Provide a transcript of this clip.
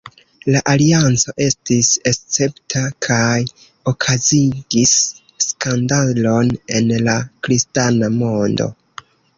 La alianco estis escepta, kaj okazigis skandalon en la kristana mondo.